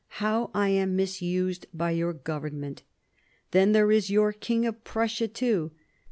how am I misused by your Government ! Then there is your King of Prussia too.